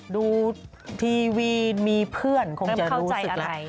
ดูทีวีนมีเพื่อนคงจะรู้สึกแล้วอันไม่เข้าใจอะไร